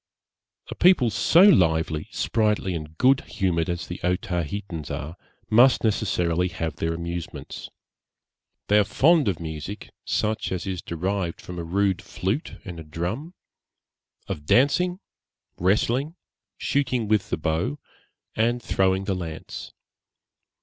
A people so lively, sprightly, and good humoured as the Otaheitans are, must necessarily have their amusements. They are fond of music, such as is derived from a rude flute and a drum; of dancing, wrestling, shooting with the bow, and throwing the lance.